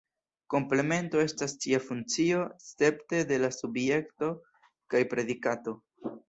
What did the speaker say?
Komplemento estas ĉia funkcio, escepte de la subjekto kaj predikato.